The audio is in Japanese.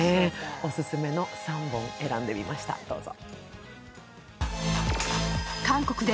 オススメの３本選んでみました、どうぞ。